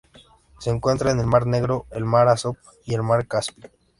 Se encuentra en el mar Negro, el mar de Azov y el mar Caspio.